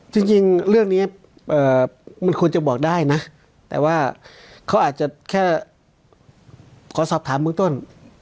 จริงเรื่องนี้มันควรจะบอกได้นะแต่ว่าเขาอาจจะแค่ขอสอบถามเมืองต้น